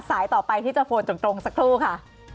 สายต่อไปที่จะโฟนจนตรงสักครู่ค่ะ